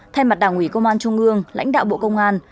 thay mặt đảng ủy công an trung ương lãnh đạo bộ công an